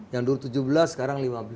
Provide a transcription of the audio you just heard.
yang dulu tujuh belas sekarang lima belas